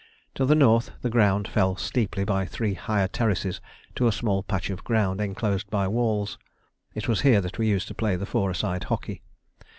To the north the ground fell steeply by three higher terraces to a small patch of ground enclosed by walls. It was here that we used to play the four a side hockey.